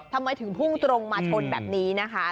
ทำไมถึงพุ่งตรงมาชนแบบนี้นะคะ